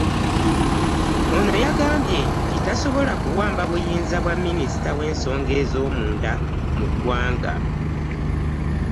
Ono yagambye nti tasobola kuwamba buyinza bwa Minisita w'ensonga ez'omunda mu ggwanga